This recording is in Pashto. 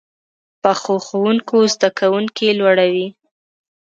پخو ښوونکو زده کوونکي لوړوي